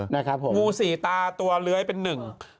งูสี่ตาตัวเลื้อยเป็นหนึ่ง